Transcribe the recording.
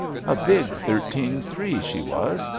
A big thirteen three she was.